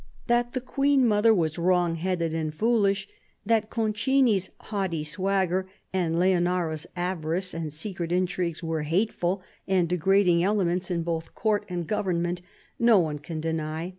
That the Queen mother was wrong headed and foolish, that Concini's haughty swagger and Leonora's avarice and secret intrigues were hateful and degrading elements in both Court and government, no one can deny.